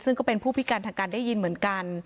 ซึ่งก็เป็นผู้พิการทางการได้ยินเหมือนกัน